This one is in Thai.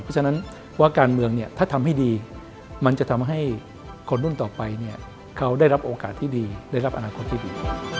เพราะฉะนั้นว่าการเมืองเนี่ยถ้าทำให้ดีมันจะทำให้คนรุ่นต่อไปเขาได้รับโอกาสที่ดีได้รับอนาคตที่ดี